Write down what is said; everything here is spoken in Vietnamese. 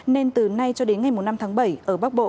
nên từ nay cho đến ngày năm tháng bảy ở bắc bộ